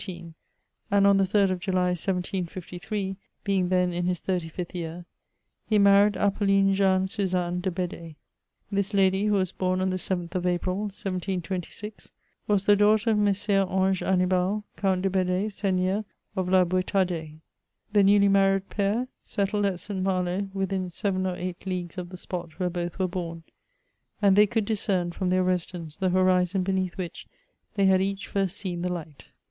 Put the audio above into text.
He was bom on the 23rd of September, 1718, and on the 3rd of July, 1753 (being then in his thirty fifth year), he married Apolline Jeanne Suzanne de Bed^. This lady, who was born on the 7th of April, 1 726, was the daughter of Messire Ange Annibal, Count' de Bed^e, Seigneur of la Bouetardais. The newly married pair settled at St. Malo, within seven or eight leagues of the spot where both were bom ; and they could discern, from their residence, the horizon beneath which they had each first seen the light.